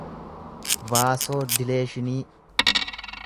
vaasoodileeshinii